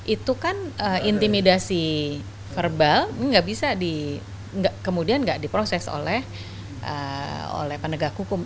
itu kan intimidasi verbal kemudian gak diproses oleh penegak hukum